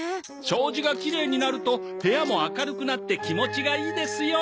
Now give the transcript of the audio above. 障子がきれいになると部屋も明るくなって気持ちがいいですよ。